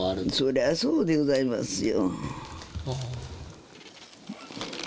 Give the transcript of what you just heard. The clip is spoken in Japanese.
そりゃそうでございますよ